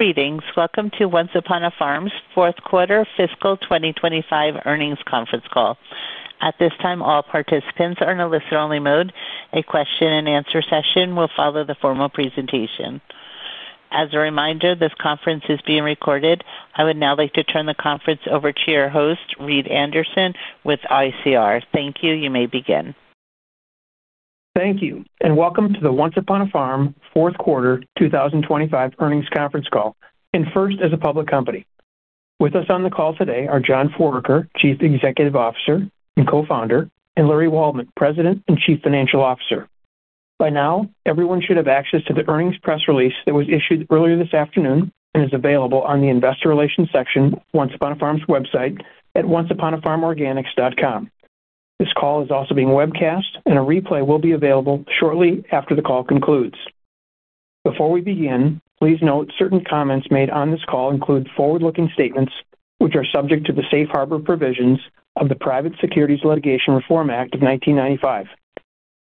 Greetings. Welcome to Once Upon a Farm's fourth quarter fiscal 2025 earnings Conference Call. At this time, all participants are in a listen-only mode. A question-and-answer session will follow the formal presentation. As a reminder, this conference is being recorded. I would now like to turn the conference over to your host, Reed Anderson with ICR. Thank you. You may begin. Thank you, and welcome to the Once Upon a Farm fourth quarter 2025 earnings conference call, and first as a public company. With us on the call today are John Foraker, Chief Executive Officer and Co-founder, and Larry Waldman, President and Chief Financial Officer. By now, everyone should have access to the earnings press release that was issued earlier this afternoon and is available on the Investor Relations section of Once Upon a Farm's website at onceuponafarmorganics.com. This call is also being webcast, and a replay will be available shortly after the call concludes. Before we begin, please note certain comments made on this call include forward-looking statements, which are subject to the safe harbor provisions of the Private Securities Litigation Reform Act of 1995.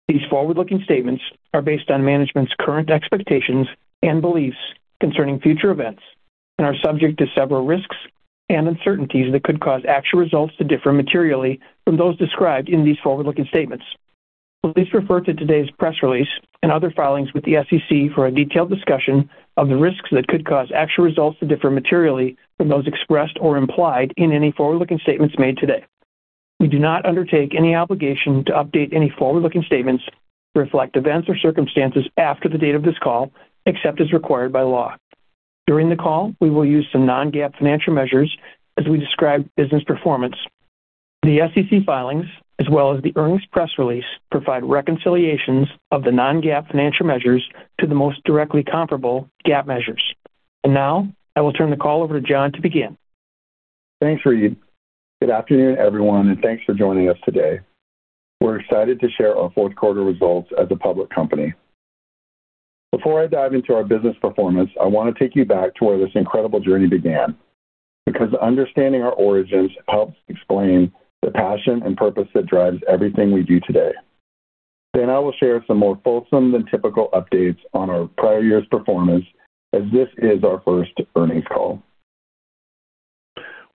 These forward-looking statements are based on management's current expectations and beliefs concerning future events and are subject to several risks and uncertainties that could cause actual results to differ materially from those described in these forward-looking statements. Please refer to today's press release and other filings with the SEC for a detailed discussion of the risks that could cause actual results to differ materially from those expressed or implied in any forward-looking statements made today. We do not undertake any obligation to update any forward-looking statements to reflect events or circumstances after the date of this call, except as required by law. During the call, we will use some non-GAAP financial measures as we describe business performance. The SEC filings, as well as the earnings press release, provide reconciliations of the non-GAAP financial measures to the most directly comparable GAAP measures. Now, I will turn the call over to John to begin. Thanks, Reed. Good afternoon, everyone, and thanks for joining us today. We're excited to share our fourth quarter results as a public company. Before I dive into our business performance, I wanna take you back to where this incredible journey began, because understanding our origins helps explain the passion and purpose that drives everything we do today. I will share some more fulsome than typical updates on our prior year's performance, as this is our first earnings call.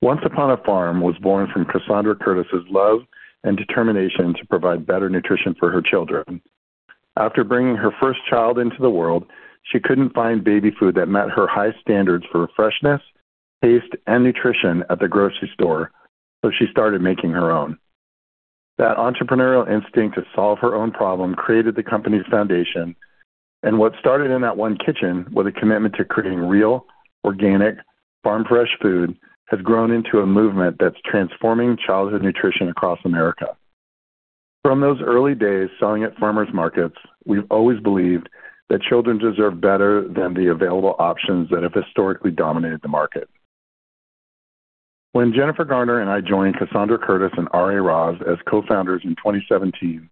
Once Upon a Farm was born from Cassandra Curtis's love and determination to provide better nutrition for her children. After bringing her first child into the world, she couldn't find baby food that met her high standards for freshness, taste, and nutrition at the grocery store, so she started making her own. That entrepreneurial instinct to solve her own problem created the company's foundation. What started in that one kitchen with a commitment to creating real, organic, farm-fresh food has grown into a movement that's transforming childhood nutrition across America. From those early days selling at farmers markets, we've always believed that children deserve better than the available options that have historically dominated the market. When Jennifer Garner and I joined Cassandra Curtis and Ari Raz as co-founders in 2017,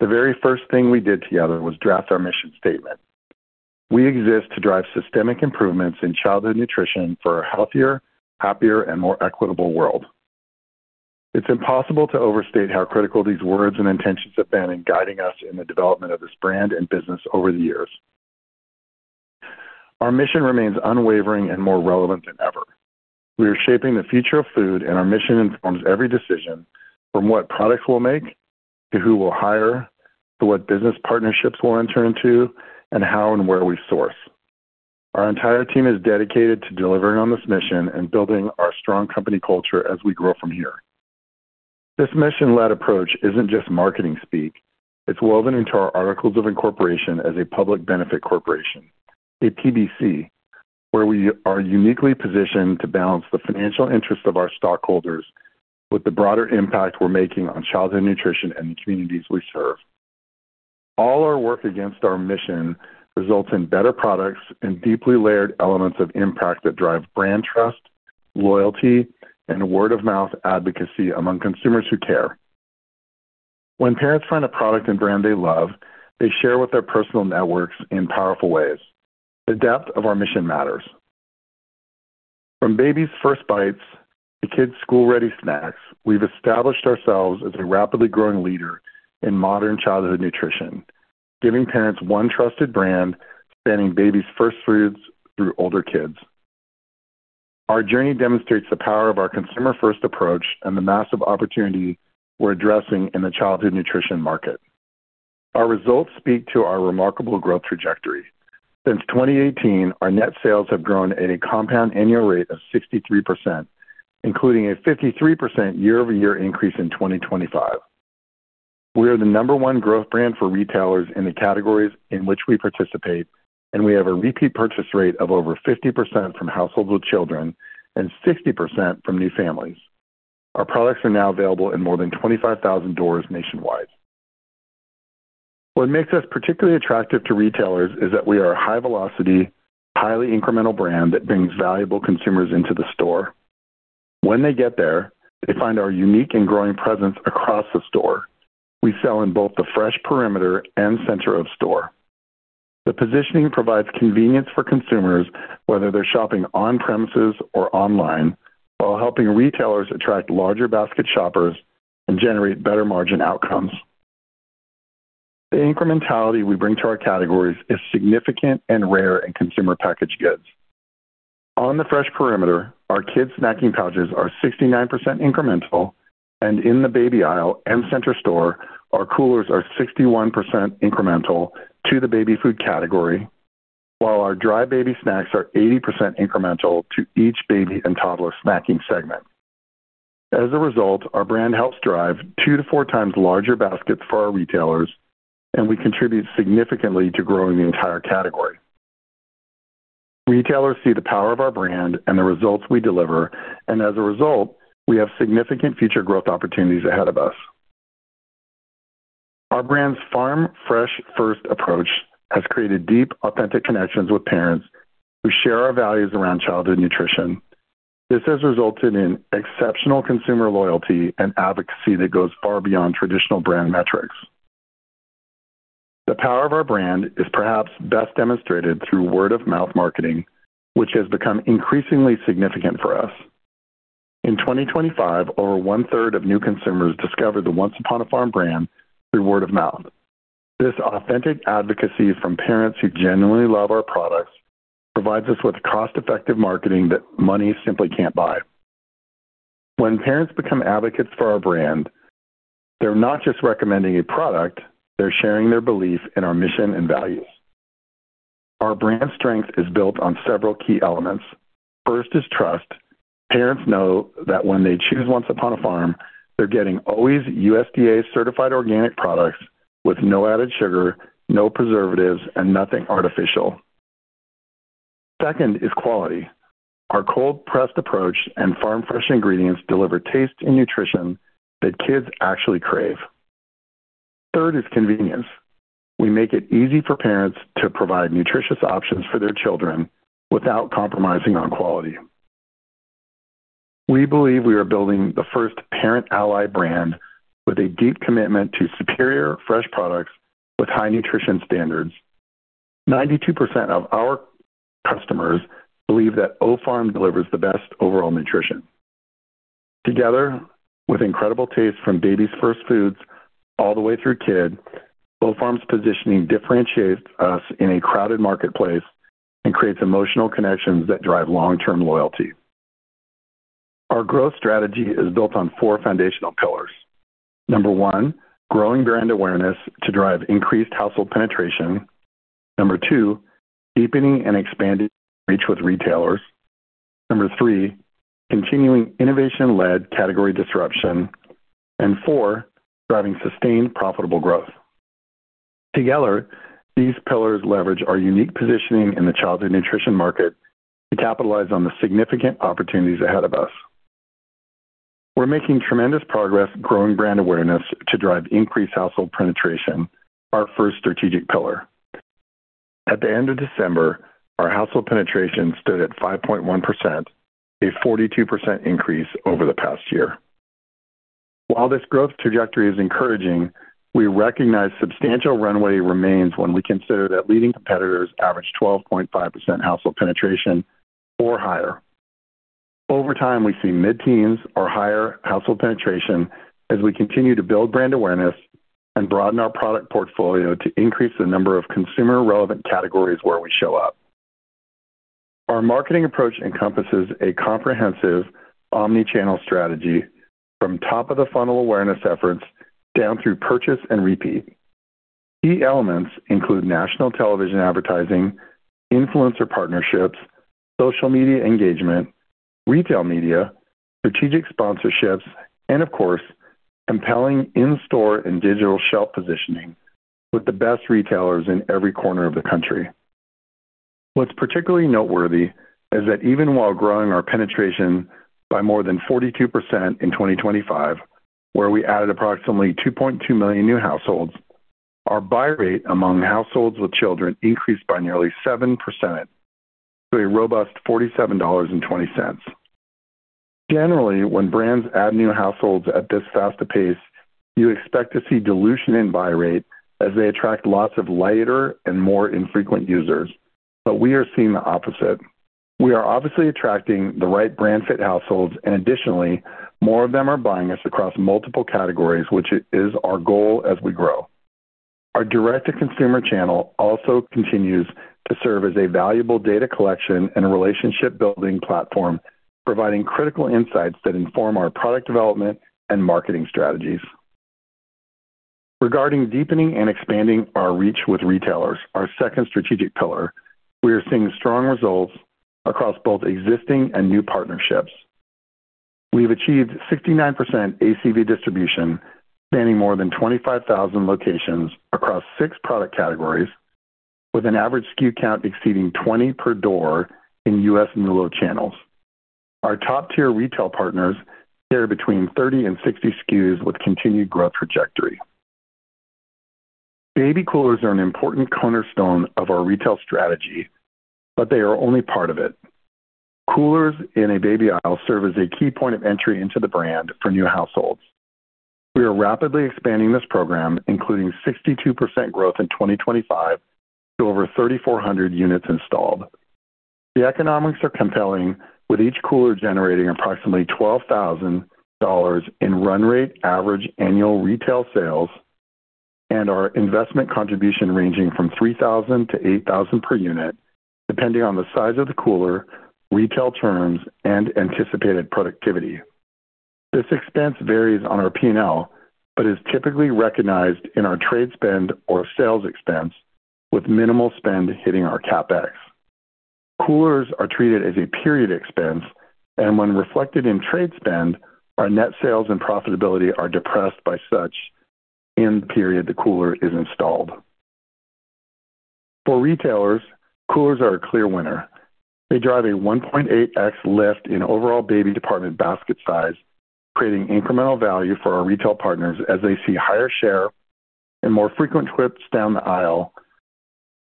the very first thing we did together was draft our mission statement. "We exist to drive systemic improvements in childhood nutrition for a healthier, happier, and more equitable world." It's impossible to overstate how critical these words and intentions have been in guiding us in the development of this brand and business over the years. Our mission remains unwavering and more relevant than ever. We are shaping the future of food, and our mission informs every decision from what products we'll make, to who we'll hire, to what business partnerships we'll enter into, and how and where we source. Our entire team is dedicated to delivering on this mission and building our strong company culture as we grow from here. This mission-led approach isn't just marketing speak. It's woven into our articles of incorporation as a Public Benefit Corporation, a PBC, where we are uniquely positioned to balance the financial interests of our stockholders with the broader impact we're making on childhood nutrition and the communities we serve. All our work against our mission results in better products and deeply layered elements of impact that drive brand trust, loyalty, and word-of-mouth advocacy among consumers who care. When parents find a product and brand they love, they share with their personal networks in powerful ways. The depth of our mission matters. From baby's first bites to kids' school-ready snacks, we've established ourselves as a rapidly growing leader in modern childhood nutrition, giving parents one trusted brand spanning babies' first foods through older kids. Our journey demonstrates the power of our consumer-first approach and the massive opportunity we're addressing in the childhood nutrition market. Our results speak to our remarkable growth trajectory. Since 2018, our net sales have grown at a compound annual rate of 63%, including a 53% year-over-year increase in 2025. We are the number one growth brand for retailers in the categories in which we participate, and we have a repeat purchase rate of over 50% from households with children and 60% from new families. Our products are now available in more than 25,000 doors nationwide. What makes us particularly attractive to retailers is that we are a high-velocity, highly incremental brand that brings valuable consumers into the store. When they get there, they find our unique and growing presence across the store. We sell in both the fresh perimeter and center of store. The positioning provides convenience for consumers, whether they're shopping on premises or online, while helping retailers attract larger basket shoppers and generate better margin outcomes. The incrementality we bring to our categories is significant and rare in consumer packaged goods. On the fresh perimeter, our kids' snacking pouches are 69% incremental, and in the baby aisle and center store, our coolers are 61% incremental to the baby food category, while our dry baby snacks are 80% incremental to each baby and toddler snacking segment. As a result, our brand helps drive 2-4 x larger baskets for our retailers, and we contribute significantly to growing the entire category. Retailers see the power of our brand and the results we deliver, and as a result, we have significant future growth opportunities ahead of us. Our brand's farm-fresh-first approach has created deep, authentic connections with parents who share our values around childhood nutrition. This has resulted in exceptional consumer loyalty and advocacy that goes far beyond traditional brand metrics. The power of our brand is perhaps best demonstrated through word-of-mouth marketing, which has become increasingly significant for us. In 2025, over one-third of new consumers discovered the Once Upon a Farm brand through word of mouth. This authentic advocacy from parents who genuinely love our products provides us with cost-effective marketing that money simply can't buy. When parents become advocates for our brand, they're not just recommending a product, they're sharing their belief in our mission and values. Our brand strength is built on several key elements. First is trust. Parents know that when they choose Once Upon a Farm, they're getting always USDA-certified organic products with no added sugar, no preservatives, and nothing artificial. Second is quality. Our cold-pressed approach and farm-fresh ingredients deliver taste and nutrition that kids actually crave. Third is convenience. We make it easy for parents to provide nutritious options for their children without compromising on quality. We believe we are building the first parent ally brand with a deep commitment to superior fresh products with high nutrition standards. 92% of our customers believe that Once Upon a Farm delivers the best overall nutrition. Together with incredible taste from baby's first foods all the way through kid, Once Upon a Farm's positioning differentiates us in a crowded marketplace and creates emotional connections that drive long-term loyalty. Our growth strategy is built on four foundational pillars. Number one, growing brand awareness to drive increased household penetration. Number two, deepening and expanding reach with retailers. Number three, continuing innovation-led category disruption. And four, driving sustained profitable growth. Together, these pillars leverage our unique positioning in the childhood nutrition market to capitalize on the significant opportunities ahead of us. We're making tremendous progress growing brand awareness to drive increased household penetration, our first strategic pillar. At the end of December, our household penetration stood at 5.1%, a 42% increase over the past year. While this growth trajectory is encouraging, we recognize substantial runway remains when we consider that leading competitors average 12.5% household penetration or higher. Over time, we see mid-teens or higher household penetration as we continue to build brand awareness and broaden our product portfolio to increase the number of consumer-relevant categories where we show up. Our marketing approach encompasses a comprehensive omni-channel strategy from top-of-the-funnel awareness efforts down through purchase and repeat. Key elements include national television advertising, influencer partnerships, social media engagement, retail media, strategic sponsorships, and of course, compelling in-store and digital shelf positioning with the best retailers in every corner of the country. What's particularly noteworthy is that even while growing our penetration by more than 42% in 2025, where we added approximately 2.2 million new households, our buy rate among households with children increased by nearly 7% to a robust $47.20. Generally, when brands add new households at this fast a pace, you expect to see dilution in buy rate as they attract lots of lighter and more infrequent users, but we are seeing the opposite. We are obviously attracting the right brand-fit households, and additionally, more of them are buying us across multiple categories, which is our goal as we grow. Our direct-to-consumer channel also continues to serve as a valuable data collection and relationship-building platform, providing critical insights that inform our product development and marketing strategies. Regarding deepening and expanding our reach with retailers, our second strategic pillar, we are seeing strong results across both existing and new partnerships. We've achieved 69% ACV distribution, spanning more than 25,000 locations across six product categories, with an average SKU count exceeding 20 per door in U.S. MULO channels. Our top-tier retail partners carry 30-60 SKUs with continued growth trajectory. Baby coolers are an important cornerstone of our retail strategy, but they are only part of it. Coolers in a baby aisle serve as a key point of entry into the brand for new households. We are rapidly expanding this program, including 62% growth in 2025 to over 3,400 units installed. The economics are compelling, with each cooler generating approximately $12,000 in run rate average annual retail sales and our investment contribution ranging from $3,000-$8,000 per unit, depending on the size of the cooler, retail terms, and anticipated productivity. This expense varies on our P&L, but is typically recognized in our trade spend or sales expense, with minimal spend hitting our CapEx. Coolers are treated as a period expense, and when reflected in trade spend, our net sales and profitability are depressed by such in the period the cooler is installed. For retailers, coolers are a clear winner. They drive a 1.8x lift in overall baby department basket size, creating incremental value for our retail partners as they see higher share and more frequent trips down the aisle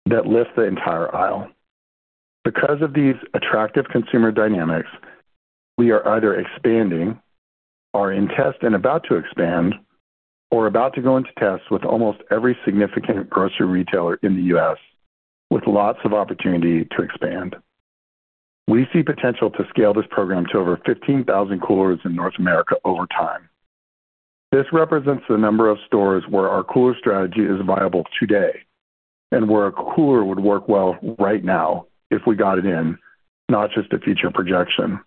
that lift the entire aisle. Because of these attractive consumer dynamics, we are either expanding, are in test and about to expand, or about to go into tests with almost every significant grocery retailer in the U.S., with lots of opportunity to expand. We see potential to scale this program to over 15,000 coolers in North America over time. This represents the number of stores where our cooler strategy is viable today and where a cooler would work well right now if we got it in, not just a future projection.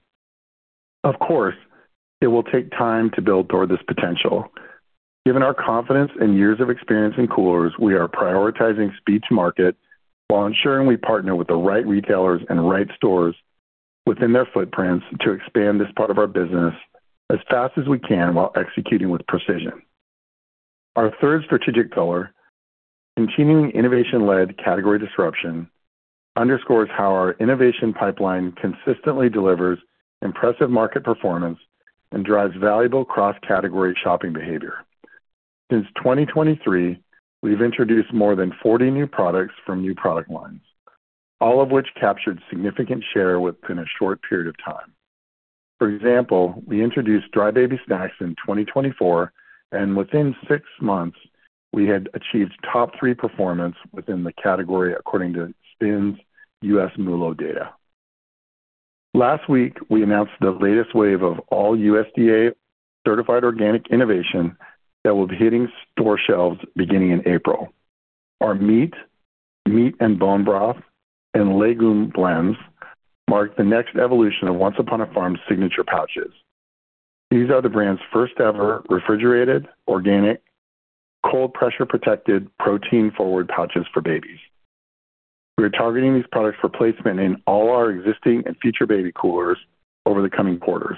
Of course, it will take time to build toward this potential. Given our confidence and years of experience in coolers, we are prioritizing speed to market while ensuring we partner with the right retailers and right stores within their footprints to expand this part of our business as fast as we can while executing with precision. Our third strategic pillar, continuing innovation-led category disruption, underscores how our innovation pipeline consistently delivers impressive market performance and drives valuable cross-category shopping behavior. Since 2023, we've introduced more than 40 new products from new product lines, all of which captured significant share within a short period of time. For example, we introduced dry baby snacks in 2024, and within six months, we had achieved top three performance within the category according to SPINS's US MULO data. Last week, we announced the latest wave of all USDA-certified organic innovation that will be hitting store shelves beginning in April. Our meat and bone broth, and legume blends mark the next evolution of Once Upon a Farm's signature pouches. These are the brand's first-ever refrigerated, organic, cold-pressure protected, protein-forward pouches for babies. We are targeting these products for placement in all our existing and future baby coolers over the coming quarters.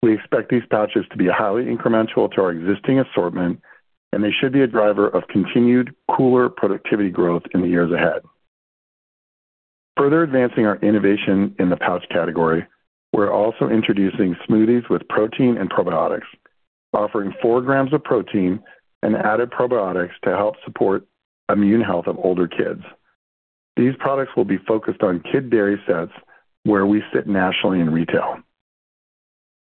We expect these pouches to be highly incremental to our existing assortment, and they should be a driver of continued cooler productivity growth in the years ahead. Further advancing our innovation in the pouch category, we're also introducing smoothies with protein and probiotics, offering 4 grams of protein and added probiotics to help support immune health of older kids. These products will be focused on kid dairy sets where we sit nationally in retail.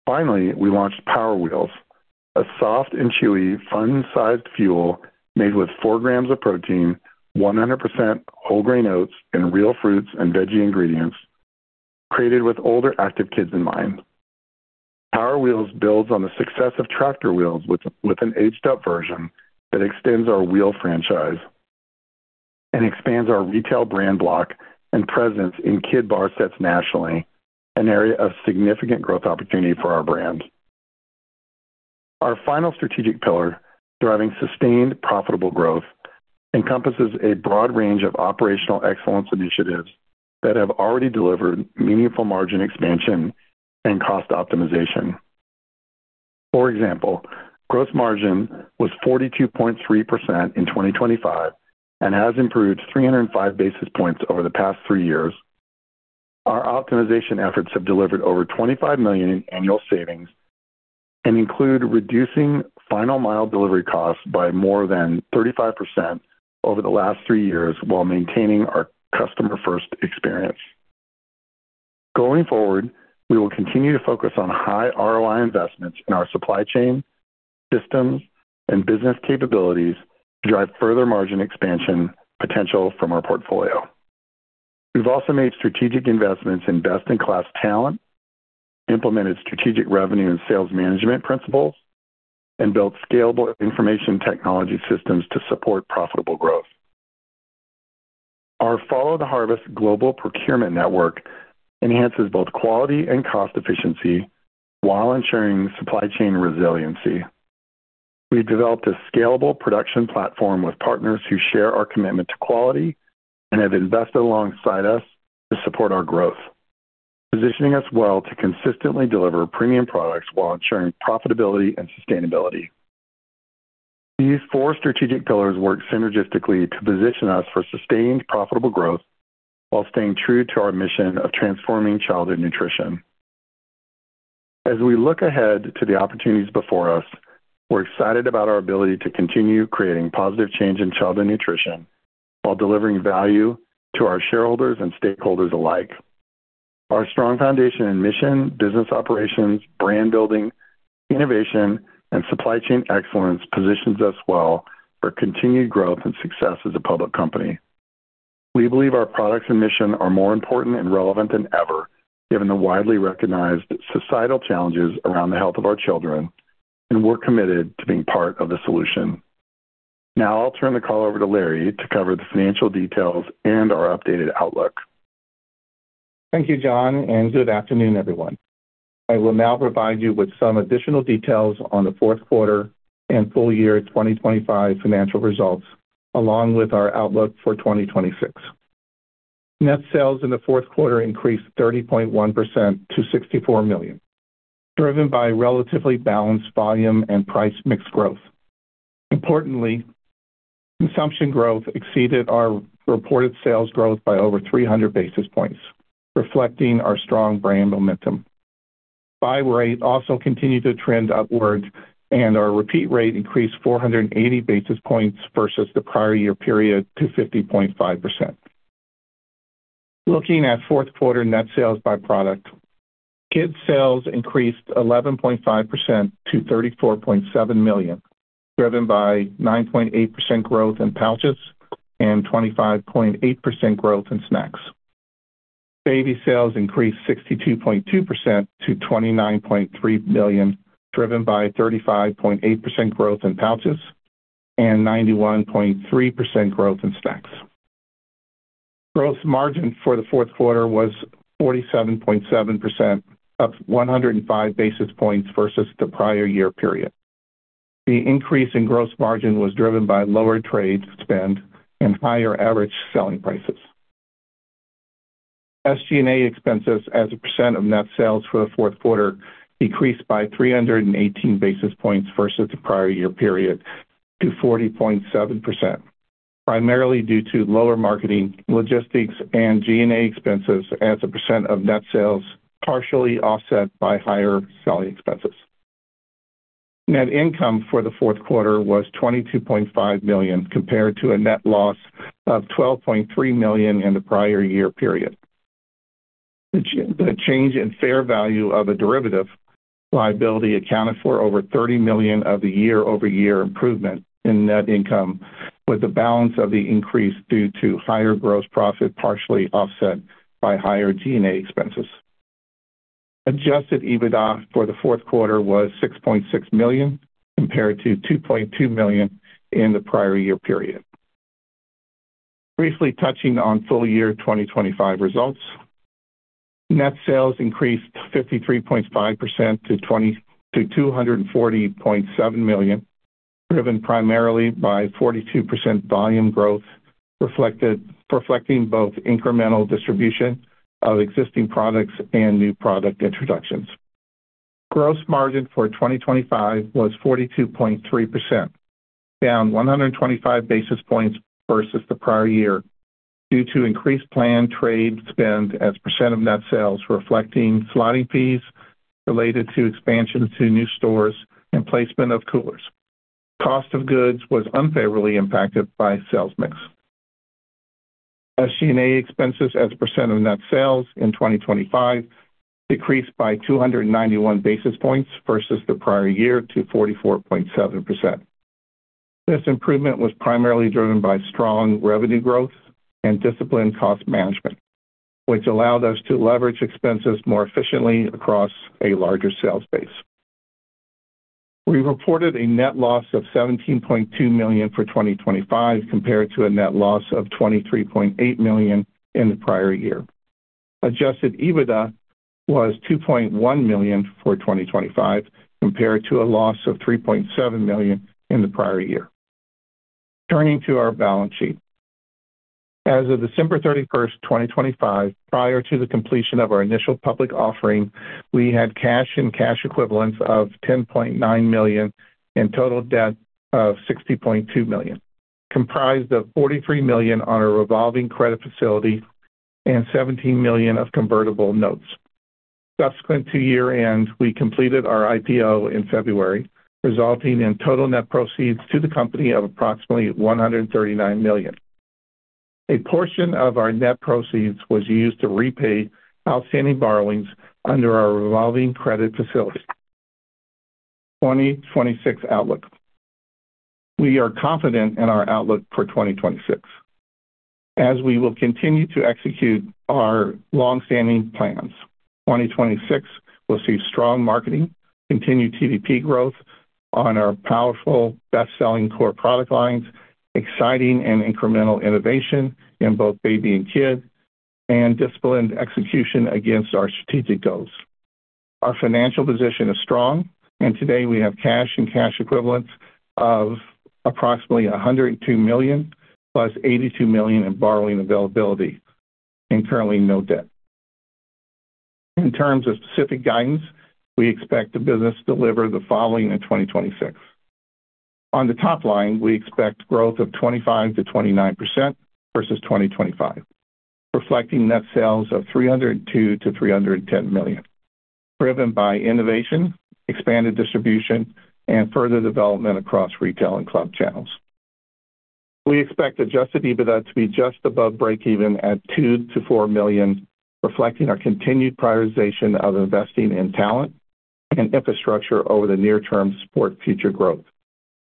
Finally, we launched Power Wheels, a soft and chewy fun-sized fuel made with four grams of protein, 100% whole grain oats, and real fruits and veggie ingredients created with older active kids in mind. Power Wheels builds on the success of Tractor Wheels with an aged-up version that extends our Wheel franchise and expands our retail brand block and presence in kid bar sets nationally, an area of significant growth opportunity for our brands. Our final strategic pillar, driving sustained profitable growth, encompasses a broad range of operational excellence initiatives that have already delivered meaningful margin expansion and cost optimization. For example, gross margin was 42.3% in 2025 and has improved 305 basis points over the past three years. Our optimization efforts have delivered over $25 million in annual savings and include reducing final mile delivery costs by more than 35% over the last three years while maintaining our customer-first experience. Going forward, we will continue to focus on high ROI investments in our supply chain, systems, and business capabilities to drive further margin expansion potential from our portfolio. We've also made strategic investments in best-in-class talent, implemented strategic revenue and sales management principles, and built scalable information technology systems to support profitable growth. Our Follow the Harvest global procurement network enhances both quality and cost efficiency while ensuring supply chain resiliency. We've developed a scalable production platform with partners who share our commitment to quality and have invested alongside us to support our growth, positioning us well to consistently deliver premium products while ensuring profitability and sustainability. These four strategic pillars work synergistically to position us for sustained profitable growth while staying true to our mission of transforming childhood nutrition. As we look ahead to the opportunities before us, we're excited about our ability to continue creating positive change in childhood nutrition while delivering value to our shareholders and stakeholders alike. Our strong foundation and mission, business operations, brand building, innovation and supply chain excellence positions us well for continued growth and success as a public company. We believe our products and mission are more important and relevant than ever, given the widely recognized societal challenges around the health of our children, and we're committed to being part of the solution. Now I'll turn the call over to Larry to cover the financial details and our updated outlook. Thank you, John, and good afternoon, everyone. I will now provide you with some additional details on the fourth quarter and full year 2025 financial results, along with our outlook for 2026. Net sales in the fourth quarter increased 30.1% to $64 million, driven by relatively balanced volume and price mix growth. Importantly, consumption growth exceeded our reported sales growth by over 300 basis points, reflecting our strong brand momentum. Buy rate also continued to trend upwards and our repeat rate increased 480 basis points versus the prior year period to 50.5%. Looking at fourth quarter net sales by product. Kids sales increased 11.5% to $34.7 million, driven by 9.8% growth in pouches and 25.8% growth in snacks. Baby sales increased 62.2% to $29.3 million, driven by 35.8% growth in pouches and 91.3% growth in snacks. Gross margin for the fourth quarter was 47.7%, up 105 basis points versus the prior year period. The increase in gross margin was driven by lower trade spend and higher average selling prices. SG&A expenses as a percent of net sales for the fourth quarter decreased by 318 basis points versus the prior year period to 40.7%, primarily due to lower marketing, logistics, and G&A expenses as a percent of net sales, partially offset by higher selling expenses. Net income for the fourth quarter was $22.5 million, compared to a net loss of $12.3 million in the prior year period. The change in fair value of a derivative liability accounted for over $30 million of the year-over-year improvement in net income, with the balance of the increase due to higher gross profit, partially offset by higher G&A expenses. Adjusted EBITDA for the fourth quarter was $6.6 million, compared to $2.2 million in the prior year period. Briefly touching on full year 2025 results. Net sales increased 53.5% to $240.7 million, driven primarily by 42% volume growth, reflecting both incremental distribution of existing products and new product introductions. Gross margin for 2025 was 42.3%, down 125 basis points versus the prior year due to increased planned trade spend as a percent of net sales, reflecting slotting fees related to expansion to new stores and placement of coolers. Cost of goods was unfavorably impacted by sales mix. SG&A expenses as a percent of net sales in 2025 decreased by 291 basis points versus the prior year to 44.7%. This improvement was primarily driven by strong revenue growth and disciplined cost management, which allowed us to leverage expenses more efficiently across a larger sales base. We reported a net loss of $17.2 million for 2025, compared to a net loss of $23.8 million in the prior year. Adjusted EBITDA was $2.1 million for 2025, compared to a loss of $3.7 million in the prior year. Turning to our balance sheet. As of 31st December, 2025, prior to the completion of our initial public offering, we had cash and cash equivalents of $10.9 million and total debt of $60.2 million, comprised of $43 million on a revolving credit facility and $17 million of convertible notes. Subsequent to year-end, we completed our IPO in February, resulting in total net proceeds to the company of approximately $139 million. A portion of our net proceeds was used to repay outstanding borrowings under our revolving credit facility. 2026 outlook. We are confident in our outlook for 2026, as we will continue to execute our long-standing plans. 2026 will see strong marketing, continued TDP growth on our powerful, best-selling core product lines, exciting and incremental innovation in both baby and kid, and disciplined execution against our strategic goals. Our financial position is strong, and today we have cash and cash equivalents of approximately $102 million, plus $82 million in borrowing availability, and currently no debt. In terms of specific guidance, we expect the business to deliver the following in 2026. On the top line, we expect growth of 25%-29% versus 2025, reflecting net sales of $302 million-$310 million, driven by innovation, expanded distribution, and further development across retail and club channels. We expect Adjusted EBITDA to be just above breakeven at $2 million-$4 million, reflecting our continued prioritization of investing in talent and infrastructure over the near term to support future growth.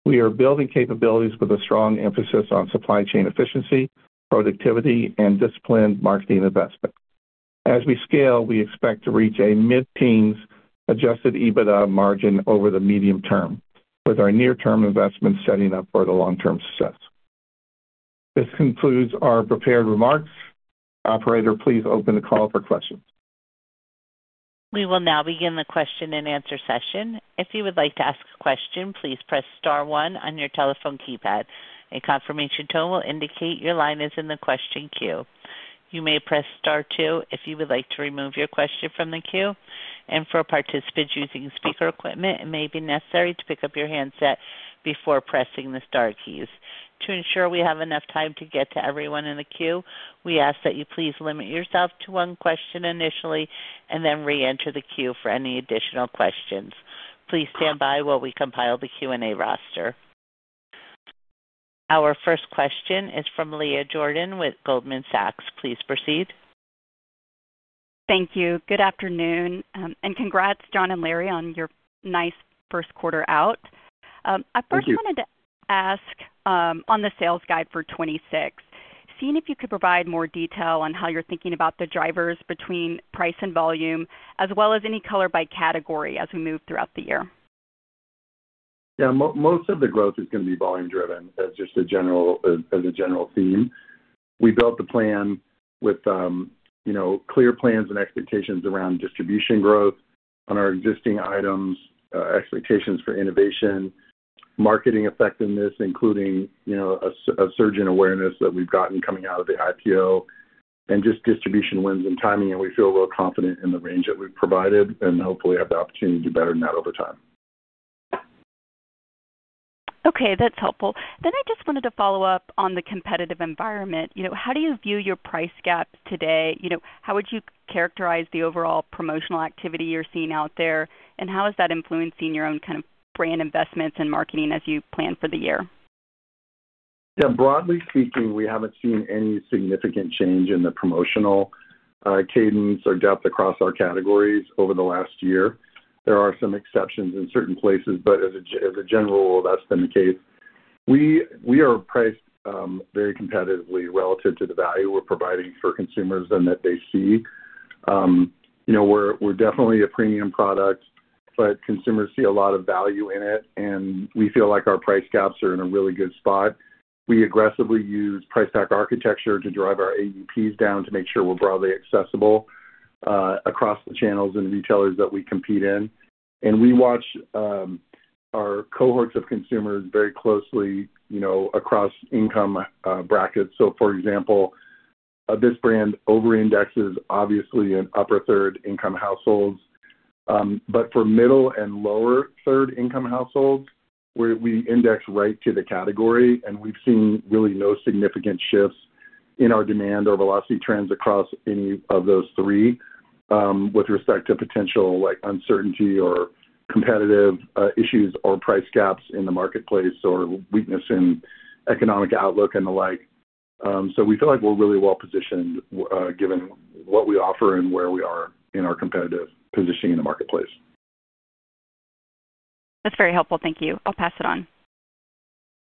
We are building capabilities with a strong emphasis on supply chain efficiency, productivity, and disciplined marketing investment. As we scale, we expect to reach a mid-teens% Adjusted EBITDA margin over the medium term, with our near-term investments setting up for the long-term success. This concludes our prepared remarks. Operator, please open the call for questions. We will now begin the question-and-answer session. If you would like to ask a question, please press star one on your telephone keypad. A confirmation tone will indicate your line is in the question queue. You may press star two if you would like to remove your question from the queue. For participants using speaker equipment, it may be necessary to pick up your handset before pressing the star keys. To ensure we have enough time to get to everyone in the queue, we ask that you please limit yourself to one question initially and then reenter the queue for any additional questions. Please stand by while we compile the Q&A roster. Our first question is from Leah Jordan with Goldman Sachs. Please proceed. Thank you. Good afternoon, and congrats, John and Larry, on your nice first quarter out. Thank you. I first wanted to ask on the sales guidance for 2026, seeing if you could provide more detail on how you're thinking about the drivers between price and volume as well as any color by category as we move throughout the year. Yeah. Most of the growth is gonna be volume driven as just a general theme. We built the plan with, you know, clear plans and expectations around distribution growth on our existing items, expectations for innovation, marketing effectiveness, including, you know, a surge in awareness that we've gotten coming out of the IPO and just distribution wins and timing, and we feel real confident in the range that we've provided and hopefully have the opportunity to do better than that over time. Okay, that's helpful. I just wanted to follow up on the competitive environment. You know, how do you view your price gap today? You know, how would you characterize the overall promotional activity you're seeing out there, and how is that influencing your own kind of brand investments and marketing as you plan for the year? Yeah, broadly speaking, we haven't seen any significant change in the promotional cadence or depth across our categories over the last year. There are some exceptions in certain places, but as a general rule, that's been the case. We are priced very competitively relative to the value we're providing for consumers and that they see. You know, we're definitely a premium product, but consumers see a lot of value in it, and we feel like our price gaps are in a really good spot. We aggressively use Price Pack Architecture to drive our AUPs down to make sure we're broadly accessible across the channels and retailers that we compete in. We watch our cohorts of consumers very closely, you know, across income brackets. For example, this brand over-indexes obviously in upper third income households. For middle and lower third income households, we index right to the category, and we've seen really no significant shifts in our demand or velocity trends across any of those three, with respect to potential, like, uncertainty or competitive issues or price gaps in the marketplace or weakness in economic outlook and the like. We feel like we're really well positioned, given what we offer and where we are in our competitive positioning in the marketplace. That's very helpful. Thank you. I'll pass it on.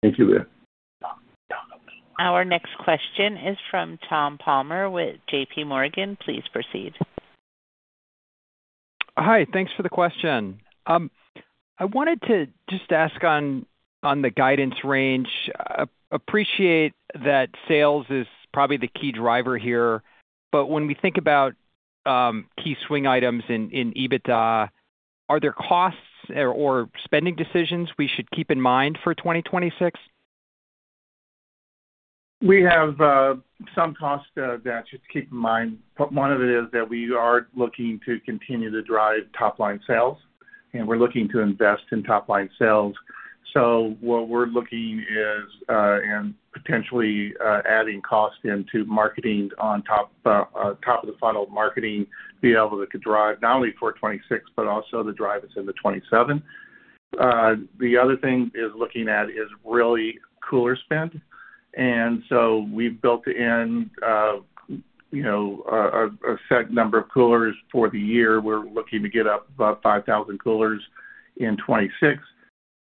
Thank you, Leah. Our next question is from Thomas Palmer with J.P. Morgan. Please proceed. Hi. Thanks for the question. I wanted to just ask on the guidance range. Appreciate that sales is probably the key driver here, but when we think about key swing items in EBITDA, are there costs or spending decisions we should keep in mind for 2026? We have some costs that just keep in mind. One of it is that we are looking to continue to drive top-line sales, and we're looking to invest in top-line sales. What we're looking is and potentially adding cost into marketing on top top of the funnel marketing be able to drive not only for 2026 but also to drive us into 2027. The other thing is looking at is really cooler spend. We've built in you know a set number of coolers for the years. We're looking to get up about 5,000 coolers in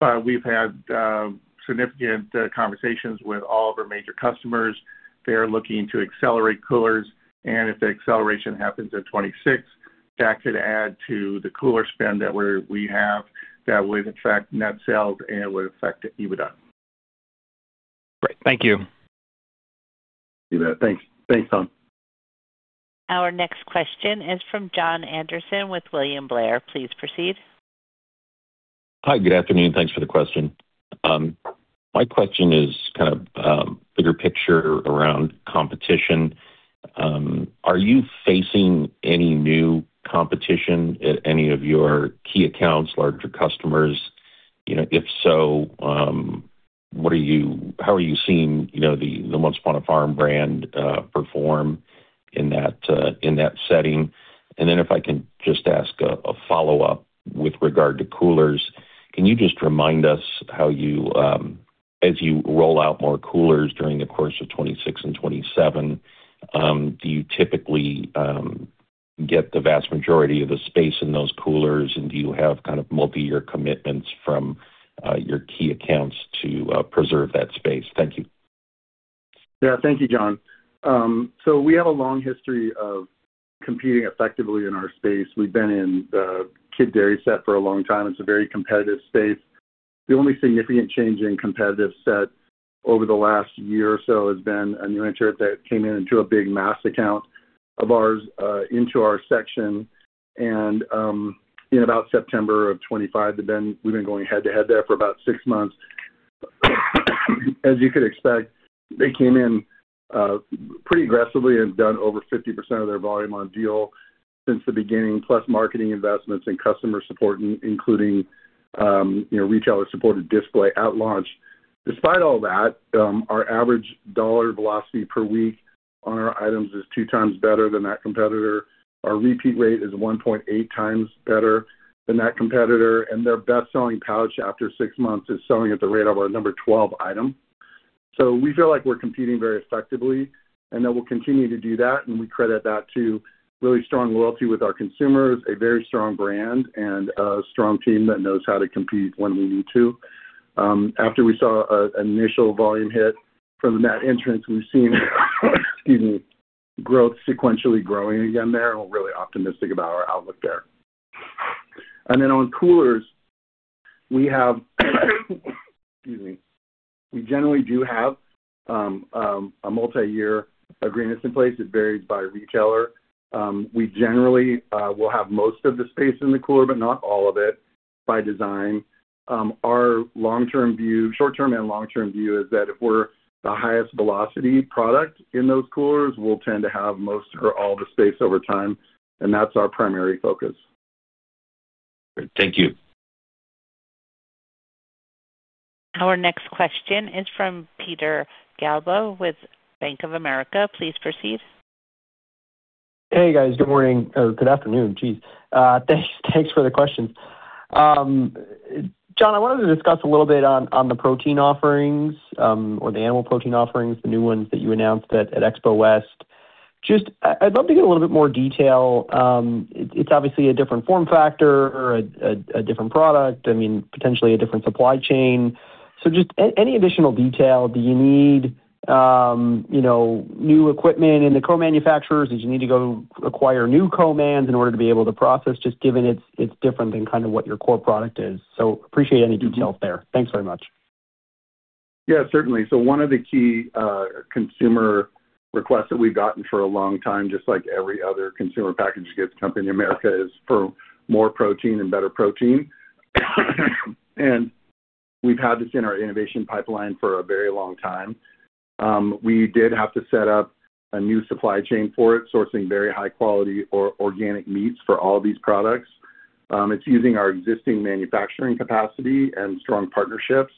2026. We've had significant conversations with all of our major customers. They are looking to accelerate coolers, and if the acceleration happens in 2026, that could add to the cooler spend that we have. That would affect net sales, and it would affect EBITDA. Great. Thank you. You bet. Thanks. Thanks, Tom. Our next question is from Jon Andersen with William Blair. Please proceed. Hi. Good afternoon. Thanks for the question. My question is kind of bigger picture around competition. Are you facing any new competition at any of your key accounts, larger customers? You know, if so, how are you seeing the Once Upon a Farm brand perform in that setting? If I can just ask a follow-up. With regard to coolers, can you just remind us how you, as you roll out more coolers during the course of 2026 and 2027, do you typically get the vast majority of the space in those coolers? Do you have kind of multi-year commitments from your key accounts to preserve that space? Thank you. Yeah. Thank you, John. We have a long history of competing effectively in our space. We've been in the kid dairy set for a long time. It's a very competitive space. The only significant change in competitive set over the last year or so has been a new entrant that came in into a big mass account of ours, into our section. In about September of 2025, we've been going head-to-head there for about six months. As you could expect, they came in pretty aggressively and have done over 50% of their volume on deal since the beginning, plus marketing investments and customer support, including, you know, retailer-supported display at launch. Despite all that, our average dollar velocity per week on our items is two times better than that competitor. Our repeat rate is 1.8x better than that competitor, and their best-selling pouch after six months is selling at the rate of our number 12 item. We feel like we're competing very effectively and that we'll continue to do that, and we credit that to really strong loyalty with our consumers, a very strong brand, and a strong team that knows how to compete when we need to. After we saw an initial volume hit from that entrance, we've seen growth sequentially growing again there. We're really optimistic about our outlook there. On coolers, we have. We generally do have a multi-year agreements in place. It varies by retailer. We generally will have most of the space in the cooler, but not all of it by design. Our short-term and long-term view is that if we're the highest velocity product in those coolers, we'll tend to have most or all the space over time, and that's our primary focus. Great. Thank you. Our next question is from Peter Galbo with Bank of America. Please proceed. Hey, guys. Good morning. Oh, good afternoon. Jeez. Thanks for the questions. John, I wanted to discuss a little bit on the protein offerings, or the animal protein offerings, the new ones that you announced at Expo West. I'd love to get a little bit more detail. It's obviously a different form factor, a different product. I mean, potentially a different supply chain. So just any additional detail. Do you need you know new equipment in the co-manufacturers? Did you need to go acquire new co-mans in order to be able to process, just given it's different than kind of what your core product is. So appreciate any detail there. Thanks very much. Yeah, certainly. One of the key consumer requests that we've gotten for a long time, just like every other consumer packaged goods company in America, is for more protein and better protein. We've had this in our innovation pipeline for a very long time. We did have to set up a new supply chain for it, sourcing very high quality or organic meats for all these products. It's using our existing manufacturing capacity and strong partnerships.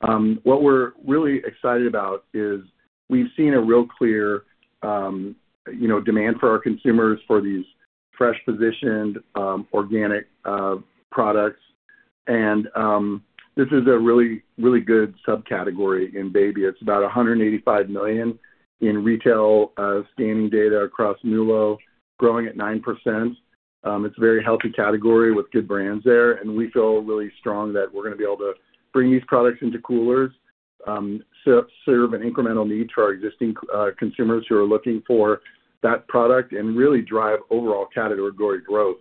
What we're really excited about is we've seen a real clear, you know, demand for our consumers for these fresh positioned, organic products. This is a really, really good subcategory in baby. It's about $185 million in retail scanning data across Nielsen, growing at 9%. It's a very healthy category with good brands there, and we feel really strong that we're gonna be able to bring these products into coolers, serve an incremental need to our existing consumers who are looking for that product and really drive overall category growth.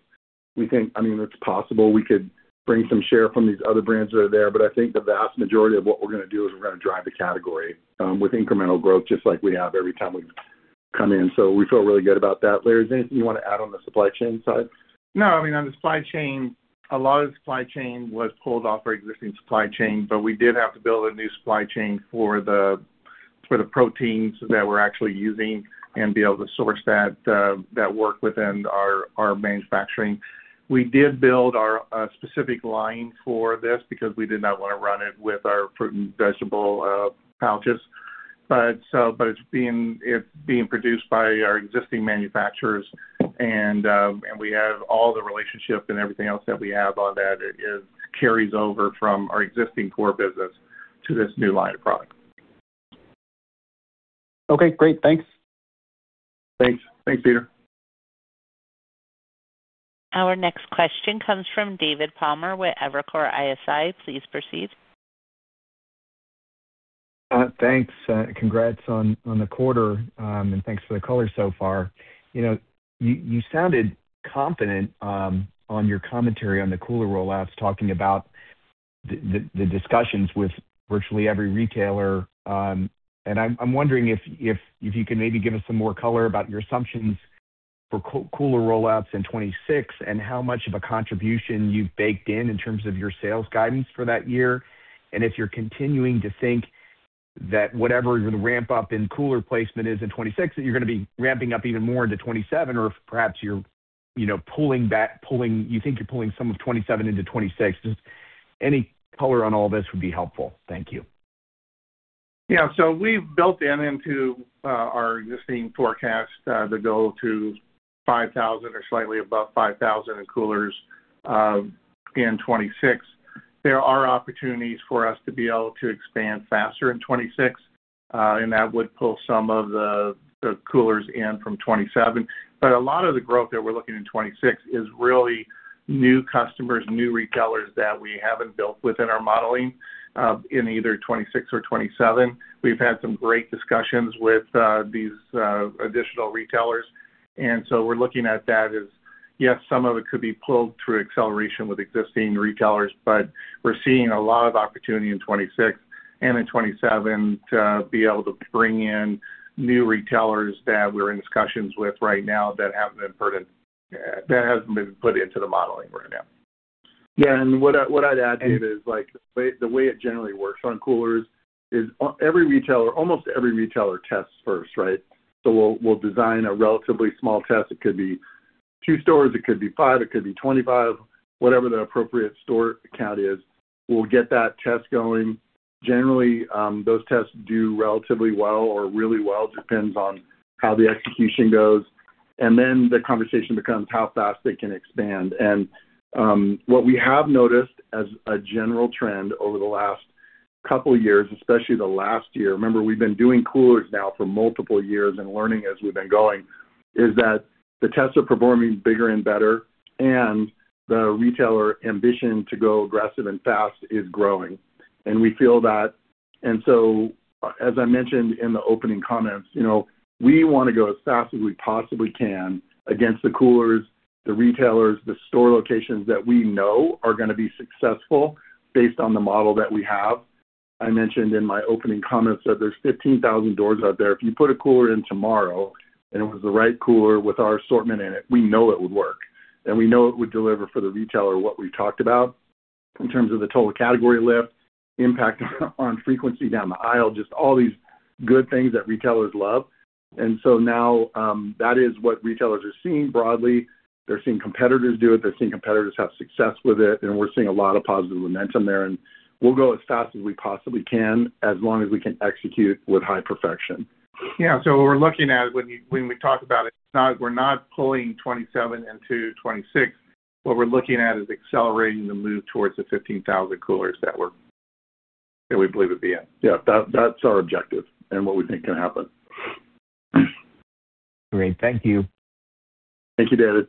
We think, I mean, it's possible we could bring some share from these other brands that are there, but I think the vast majority of what we're gonna do is we're gonna drive the category with incremental growth, just like we have every time we've come in. We feel really good about that. Larry, is there anything you wanna add on the supply chain side? No. I mean, on the supply chain, a lot of supply chain was pulled off our existing supply chain, but we did have to build a new supply chain for the proteins that we're actually using and be able to source that work within our manufacturing. We did build our specific line for this because we did not wanna run it with our fruit and vegetable pouches. But it's being produced by our existing manufacturers and we have all the relationships and everything else that we have on that. It carries over from our existing core business to this new line of product. Okay, great. Thanks. Thanks. Thanks, Peter. Our next question comes from David Palmer with Evercore ISI. Please proceed. Thanks. Congrats on the quarter, and thanks for the color so far. You know, you sounded confident on your commentary on the cooler rollouts, talking about the discussions with virtually every retailer. I'm wondering if you can maybe give us some more color about your assumptions for cooler rollouts in 2026 and how much of a contribution you've baked in in terms of your sales guidance for that year. If you're continuing to think that whatever the ramp-up in cooler placement is in 2026, that you're gonna be ramping up even more into 2027, or if perhaps you're, you know, pulling back, you think you're pulling some of 2027 into 2026. Just any color on all this would be helpful. Thank you. Yeah. We've built into our existing forecast the goal to 5,000 or slightly above 5,000 in coolers in 2026. There are opportunities for us to be able to expand faster in 2026, and that would pull some of the coolers in from 2027. A lot of the growth that we're looking in 2026 is really new customers, new retailers that we haven't built within our modeling in either 2026 or 2027. We've had some great discussions with these additional retailers, and so we're looking at that as, yes, some of it could be pulled through acceleration with existing retailers, but we're seeing a lot of opportunity in 2026 and in 2027 to be able to bring in new retailers that we're in discussions with right now that haven't been put in, that hasn't been put into the modeling right now. Yeah. What I'd add, David, is like, the way it generally works on coolers is on every retailer, almost every retailer tests first, right? We'll design a relatively small test. It could be two stores, it could be five, it could be 25, whatever the appropriate store count is. We'll get that test going. Generally, those tests do relatively well or really well, depends on how the execution goes. Then the conversation becomes how fast they can expand. What we have noticed as a general trend over the last couple years, especially the last year, remember, we've been doing coolers now for multiple years and learning as we've been going, is that the tests are performing bigger and better, and the retailer ambition to go aggressive and fast is growing. We feel that. As I mentioned in the opening comments, you know, we wanna go as fast as we possibly can against the coolers, the retailers, the store locations that we know are gonna be successful based on the model that we have. I mentioned in my opening comments that there's 15,000 doors out there. If you put a cooler in tomorrow, and it was the right cooler with our assortment in it, we know it would work. We know it would deliver for the retailer what we talked about in terms of the total category lift, impact on frequency down the aisle, just all these good things that retailers love. Now, that is what retailers are seeing broadly. They're seeing competitors do it. They're seeing competitors have success with it. We're seeing a lot of positive momentum there. We'll go as fast as we possibly can as long as we can execute with high perfection. Yeah. What we're looking at when we talk about it's not, we're not pulling 27 into 26. What we're looking at is accelerating the move towards the 15,000 coolers that we believe would be in. That's our objective and what we think can happen. Great. Thank you. Thank you, David.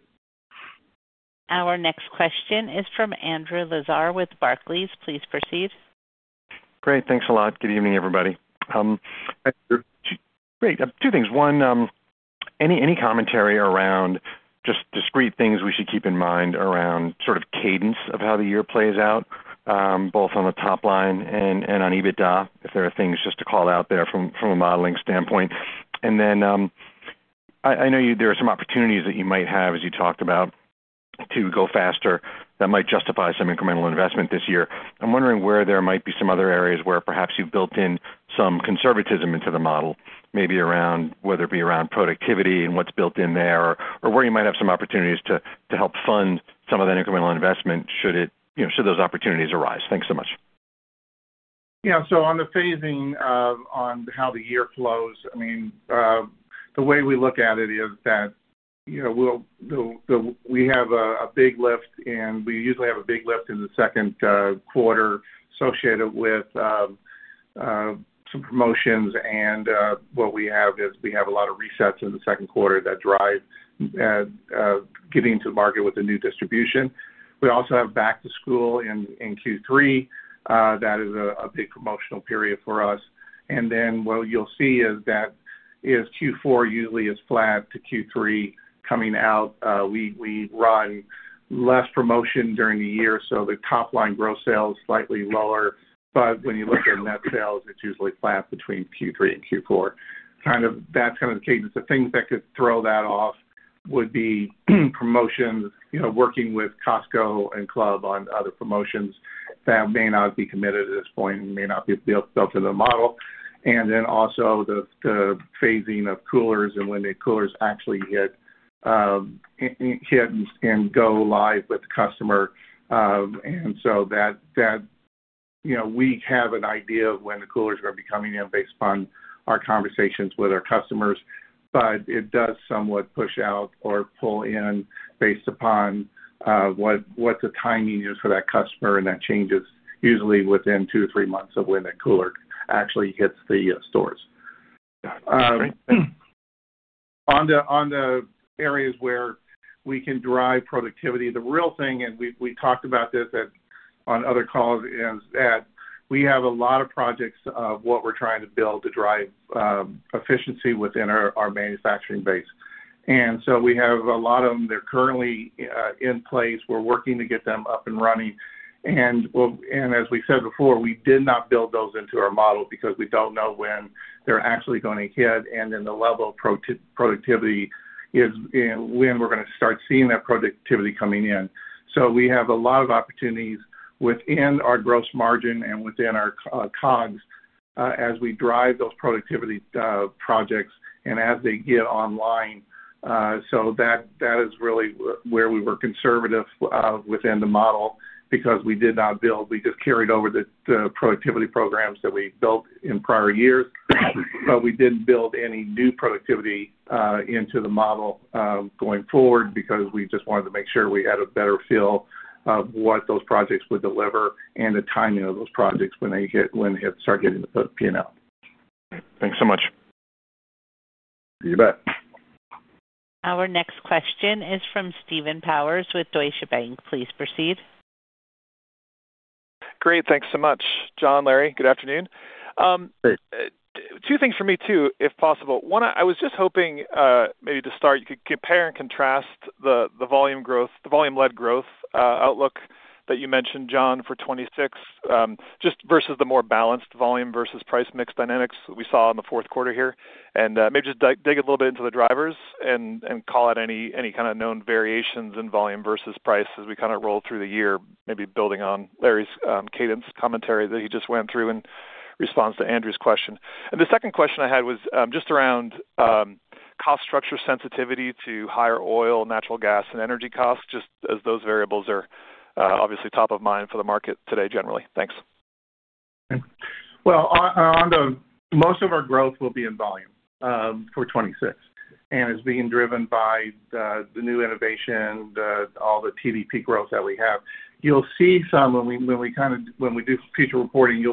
Our next question is from Andrew Lazar with Barclays. Please proceed. Great. Thanks a lot. Good evening, everybody. Two things. One, any commentary around just discrete things we should keep in mind around sort of cadence of how the year plays out, both on the top line and on EBITDA, if there are things just to call out there from a modeling standpoint? Then, I know there are some opportunities that you might have as you talked about to go faster that might justify some incremental investment this year. I'm wondering where there might be some other areas where perhaps you've built in some conservatism into the model, maybe around whether it be around productivity and what's built in there, or where you might have some opportunities to help fund some of that incremental investment should it, you know, should those opportunities arise. Thanks so much. Yeah. On the phasing of how the year flows, I mean, the way we look at it is that, you know, we have a big lift, and we usually have a big lift in the second quarter associated with some promotions. What we have is we have a lot of resets in the second quarter that drive getting to market with the new distribution. We also have back to school in Q3. That is a big promotional period for us. Then what you'll see is Q4 usually is flat to Q3 coming out. We run less promotion during the year, so the top line gross sales slightly lower. But when you look at net sales, it's usually flat between Q3 and Q4. That's kind of the cadence. The things that could throw that off would be promotions, you know, working with Costco and Club on other promotions that may not be committed at this point and may not be built in the model. The phasing of coolers and when the coolers actually hit and go live with the customer. That, you know, we have an idea of when the coolers are gonna be coming in based upon our conversations with our customers, but it does somewhat push out or pull in based upon what the timing is for that customer, and that changes usually within two to three months of when the cooler actually hits the stores. On the areas where we can drive productivity, the real thing, and we talked about this on other calls, is that we have a lot of projects of what we're trying to build to drive efficiency within our manufacturing base. So we have a lot of them. They're currently in place. We're working to get them up and running. As we said before, we did not build those into our model because we don't know when they're actually gonna hit and then the level of productivity is, and when we're gonna start seeing that productivity coming in. We have a lot of opportunities within our gross margin and within our COGS, as we drive those productivity projects and as they get online. That is really where we were conservative within the model because we did not build. We just carried over the productivity programs that we built in prior years. We didn't build any new productivity into the model going forward because we just wanted to make sure we had a better feel of what those projects would deliver and the timing of those projects when they start hitting the P&L. Thanks so much. You bet. Our next question is from Stephen Powers with Deutsche Bank. Please proceed. Great. Thanks so much, John, Larry. Good afternoon. Great. Two things for me too, if possible. One, I was just hoping, maybe to start, you could compare and contrast the volume growth, the volume-led growth, outlook that you mentioned, John, for 2026, just versus the more balanced volume versus price mix dynamics we saw in the fourth quarter here. Maybe just dig a little bit into the drivers and call out any kind of known variations in volume versus price as we kind of roll through the year, maybe building on Larry's cadence commentary that he just went through in response to Andrew's question. The second question I had was, just around cost structure sensitivity to higher oil, natural gas, and energy costs, just as those variables are, obviously top of mind for the market today, generally. Thanks. Most of our growth will be in volume for 2026, and it's being driven by the new innovation, all the TDP growth that we have. You'll see some price when we do future reporting,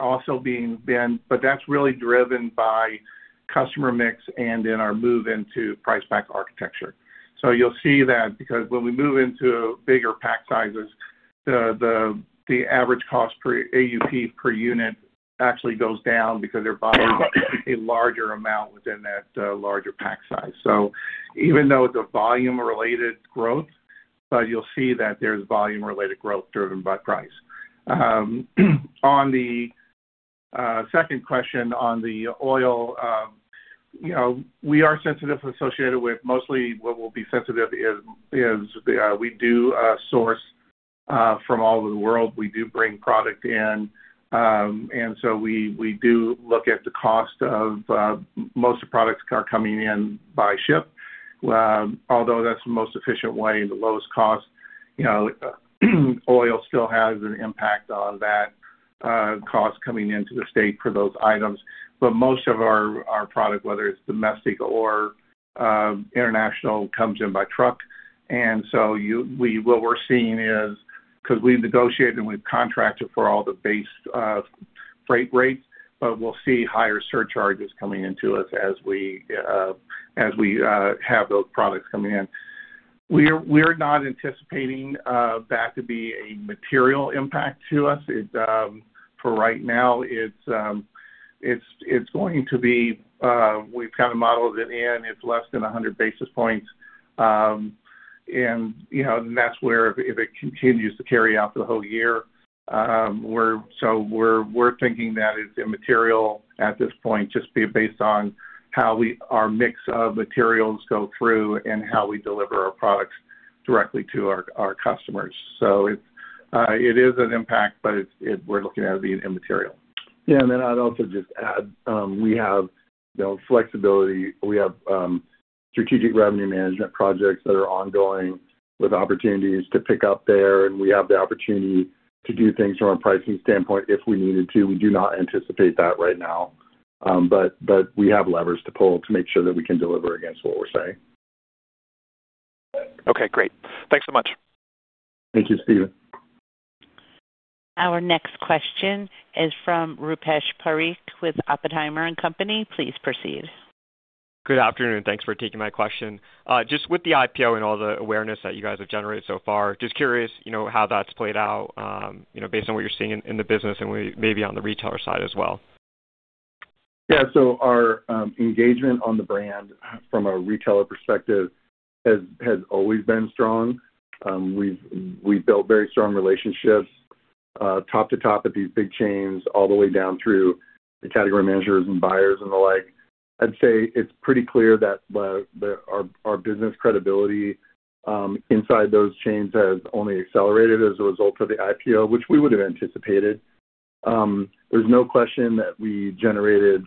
also being there, but that's really driven by customer mix and our move into Price Pack Architecture. You'll see that because when we move into bigger pack sizes, the average cost per AUP per unit actually goes down because they're buying a larger amount within that larger pack size. Even though it's a volume-related growth, but you'll see that there's volume-related growth driven by price. On the second question on the oil, you know, we do source from all over the world. We do bring product in, and so we do look at the cost of most of the products are coming in by ship, although that's the most efficient way and the lowest cost. You know, oil still has an impact on that cost coming into the States for those items. Most of our product, whether it's domestic or international, comes in by truck. What we're seeing is because we negotiated and we've contracted for all the base freight rates, but we'll see higher surcharges coming into us as we have those products coming in. We're not anticipating that to be a material impact to us. For right now, it's going to be. We've kind of modeled it in. It's less than 100 basis points. You know, and that's where if it continues to play out for the whole year, so we're thinking that it's immaterial at this point, just based on how our mix of materials go through and how we deliver our products directly to our customers. It is an impact, but we're looking at it being immaterial. Yeah. I'd also just add, we have, you know, flexibility. We have strategic revenue management projects that are ongoing with opportunities to pick up there, and we have the opportunity to do things from a pricing standpoint if we needed to. We do not anticipate that right now. But we have levers to pull to make sure that we can deliver against what we're saying. Okay, great. Thanks so much. Thank you, Stephen. Our next question is from Rupesh Parikh with Oppenheimer & Co. Please proceed. Good afternoon, and thanks for taking my question. Just with the IPO and all the awareness that you guys have generated so far, just curious, you know, how that's played out, you know, based on what you're seeing in the business and maybe on the retailer side as well. Yeah. Our engagement on the brand from a retailer perspective has always been strong. We've built very strong relationships top to top at these big chains all the way down through the category managers and buyers and the like. I'd say it's pretty clear that our business credibility inside those chains has only accelerated as a result of the IPO, which we would have anticipated. There's no question that we generated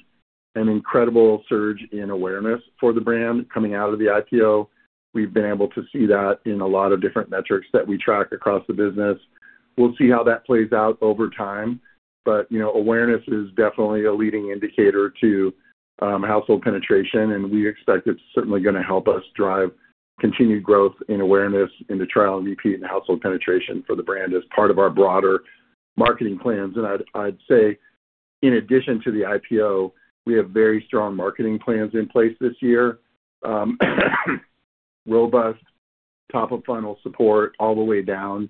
an incredible surge in awareness for the brand coming out of the IPO. We've been able to see that in a lot of different metrics that we track across the business. We'll see how that plays out over time. You know, awareness is definitely a leading indicator to household penetration, and we expect it's certainly gonna help us drive continued growth in awareness in the trial and repeat and household penetration for the brand as part of our broader marketing plans. I'd say in addition to the IPO, we have very strong marketing plans in place this year. Robust top-of-funnel support all the way down,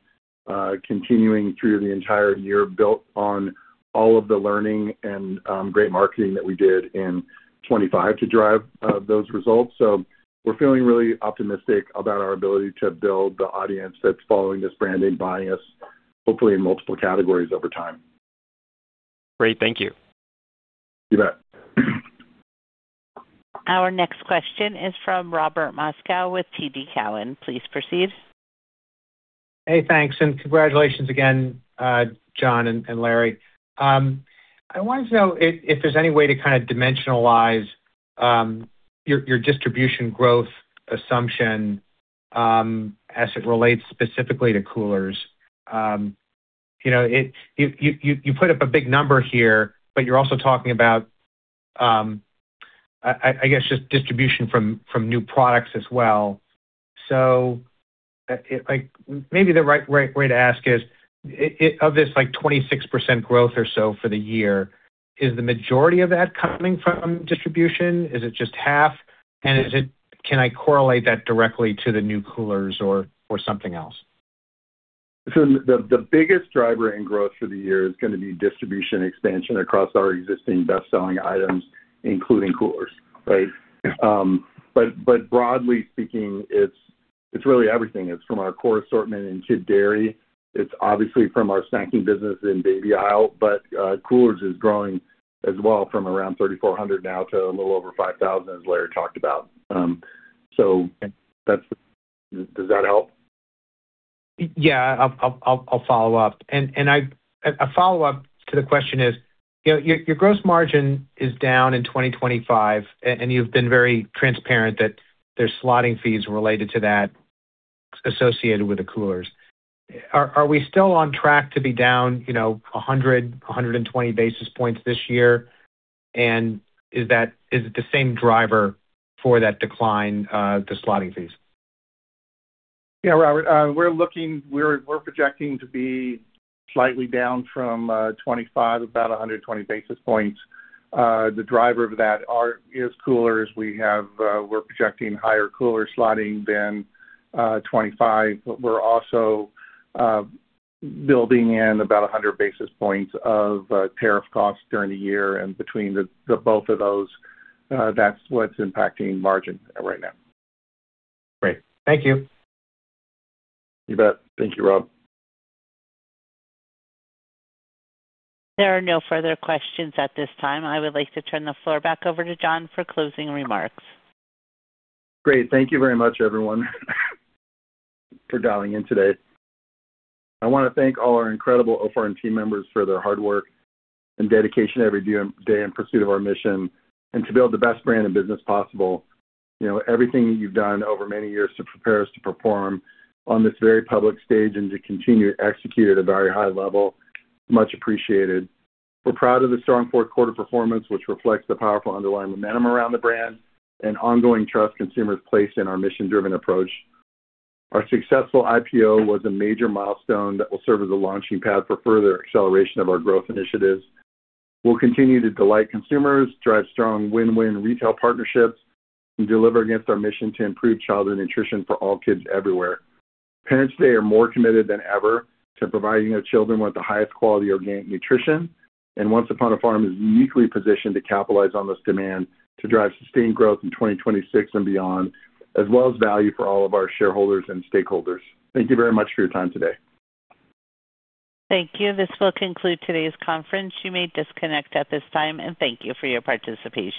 continuing through the entire year, built on all of the learning and great marketing that we did in 2025 to drive those results. We're feeling really optimistic about our ability to build the audience that's following this brand and buying us, hopefully in multiple categories over time. Great. Thank you. You bet. Our next question is from Robert Moskow with TD Cowen. Please proceed. Hey, thanks, and congratulations again, John and Larry. I wanted to know if there's any way to kind of dimensionalize your distribution growth assumption, as it relates specifically to coolers. You know, you put up a big number here, but you're also talking about, I guess just distribution from new products as well. So, like, maybe the right way to ask is, of this, like, 26% growth or so for the year, is the majority of that coming from distribution? Is it just half? And can I correlate that directly to the new coolers or something else? The biggest driver in growth for the year is gonna be distribution expansion across our existing best-selling items, including coolers, right? But broadly speaking, it's really everything. It's from our core assortment in kid dairy. It's obviously from our snacking business in baby aisle, but coolers is growing as well from around 3,400 now to a little over 5,000, as Larry talked about. That's. Does that help? Yeah. I'll follow up. A follow-up to the question is, you know, your gross margin is down in 2025, and you've been very transparent that there's slotting fees related to that associated with the coolers. Are we still on track to be down, you know, 120 basis points this year? Is it the same driver for that decline, the slotting fees? Yeah, Robert, we're projecting to be slightly down from 25, about 120 basis points. The driver of that is coolers. We're projecting higher cooler slotting than 25, but we're also building in about 100 basis points of tariff costs during the year. Between the both of those, that's what's impacting margin right now. Great. Thank you. You bet. Thank you, Rob. There are no further questions at this time. I would like to turn the floor back over to John for closing remarks. Great. Thank you very much, everyone, for dialing in today. I wanna thank all our incredible OFR and team members for their hard work and dedication every day in pursuit of our mission and to build the best brand and business possible. You know, everything that you've done over many years to prepare us to perform on this very public stage and to continue to execute at a very high level, much appreciated. We're proud of the strong fourth quarter performance, which reflects the powerful underlying momentum around the brand and ongoing trust consumers place in our mission-driven approach. Our successful IPO was a major milestone that will serve as a launching pad for further acceleration of our growth initiatives. We'll continue to delight consumers, drive strong win-win retail partnerships, and deliver against our mission to improve childhood nutrition for all kids everywhere. Parents today are more committed than ever to providing their children with the highest quality organic nutrition, and Once Upon a Farm is uniquely positioned to capitalize on this demand to drive sustained growth in 2026 and beyond, as well as value for all of our shareholders and stakeholders. Thank you very much for your time today. Thank you. This will conclude today's conference. You may disconnect at this time, and thank you for your participation.